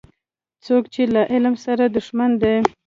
څوک چي له علم سره دښمن دی